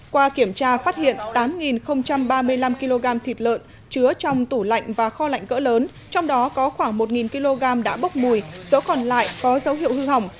qua kiểm tra phát hiện tám ba mươi năm kg thịt lợn chứa trong tủ lạnh và kho lạnh cỡ lớn trong đó có khoảng một kg đã bốc mùi số còn lại có dấu hiệu hư hỏng